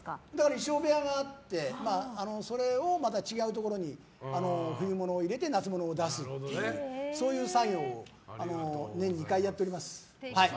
衣装部屋があってそれを違うところに冬物を入れて夏物を出すっていうそういう作業を年に２回やっております。